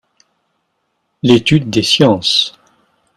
L'étude des sciences.